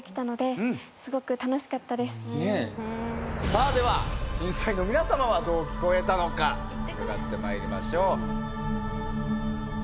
さあでは審査員の皆様はどう聞こえたのか伺ってまいりましょう。